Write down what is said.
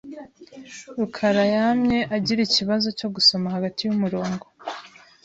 rukarayamye agira ikibazo cyo gusoma hagati yumurongo.